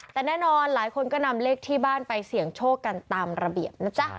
แต่แน่นอนหลายคนก็นำเลขที่บ้านไปเสี่ยงโชคกันตามระเบียบนะจ๊ะ